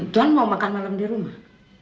doan mau makan malam di rumah